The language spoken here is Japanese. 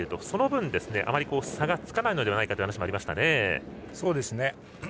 その分、あまり差がつかないのではないかという話もありましたね。